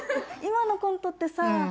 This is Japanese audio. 今のコントってさ